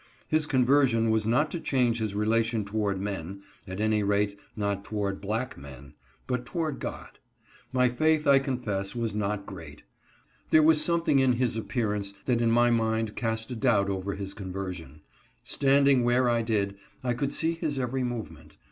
His conversion was not to change his relation toward men — at any rate not toward black men — but toward God. My faith, I confess, was MASTER THOMAS NOT CHANGED. 133 not great. There was something in his appearance that in my mind cast a doubt over his conversion. Standing where I did, I could see his every movement.